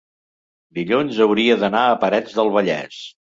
dilluns hauria d'anar a Parets del Vallès.